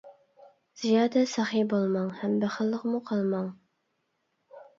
زىيادە سېخى بولماڭ، ھەم بېخىللىقمۇ قىلماڭ.